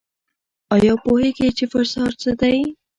ایا پوهیږئ چې فشار څه دی؟